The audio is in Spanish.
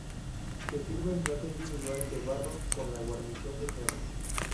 Se sirve en plato individual de barro con la guarnición deseada.